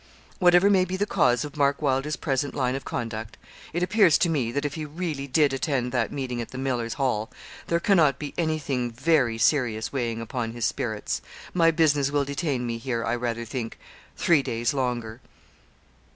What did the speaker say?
'Whatever may be the cause of Mark Wylder's present line of conduct, it appears to me that if he really did attend that meeting at the "Miller's Hall," there cannot be anything very serious weighing upon his spirits. My business will detain me here, I rather think, three days longer.'